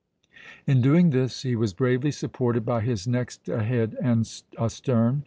In doing this he was bravely supported by his next ahead and astern.